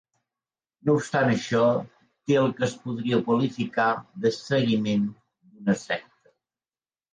No obstant això, té el que es podria qualificar de seguiment d'una secta.